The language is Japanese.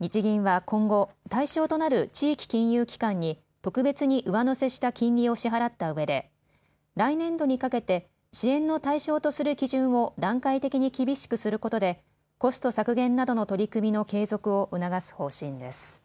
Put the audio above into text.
日銀は今後、対象となる地域金融機関に特別に上乗せした金利を支払ったうえで来年度にかけて支援の対象とする基準を段階的に厳しくすることでコスト削減などの取り組みの継続を促す方針です。